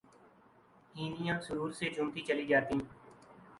ہہنیاں سرور سے جھومتی چلی جاتیں